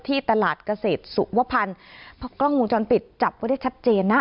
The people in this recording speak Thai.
ที่ตลาดเกษตรสุวพันธ์เพราะกล้องวงจรปิดจับไว้ได้ชัดเจนนะ